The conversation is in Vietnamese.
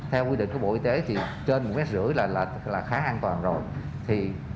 theo quy định của bộ y tế trên một năm m là khá an toàn rồi